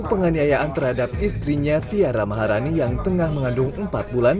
penganiayaan terhadap istrinya tiara maharani yang tengah mengandung empat bulan